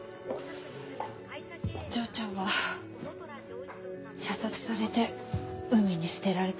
丈ちゃんは射殺されて海に捨てられた。